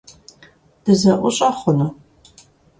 Дызэӏущӏэ хъуну?